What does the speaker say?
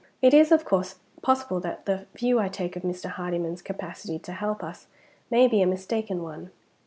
"It is, of course, possible that the view I take of Mr. Hardyman's capacity to help us may be a mistaken one.